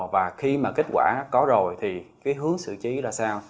và khi mà kết quả có rồi thì cái hướng sự chí là sao